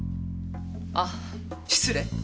あっ失礼。